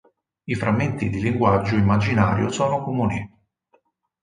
I frammenti di linguaggio immaginario sono comuni.